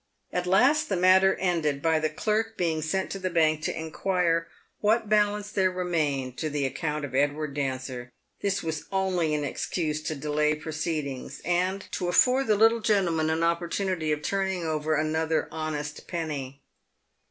At last the matter ended by the clerk being sent to the bank to inquire what balance there remained to the account of Edward Dancer. This was only an excuse to delay proceedings, and to afford the little gentleman an opportunity of turning over another honest penny.